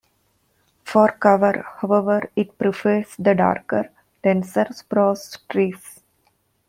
For cover, however, it prefers the darker, denser spruce trees.